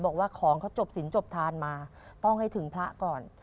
บอกว่าของเขาจบสินจบทานมาต้องให้ถึงพระก่อน